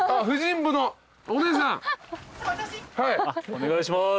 お願いします。